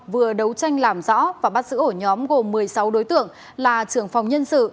vừa đấu tranh làm rõ và bắt giữ ổ nhóm gồm một mươi sáu đối tượng là trưởng phòng nhân sự